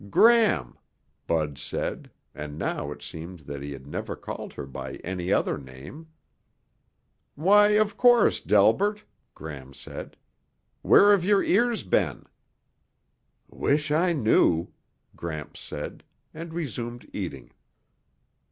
"Gram," Bud said, and now it seemed that he had never called her by any other name. "Why of course, Delbert," Gram said. "Where have your ears been?" "Wish I knew," Gramps said, and resumed eating.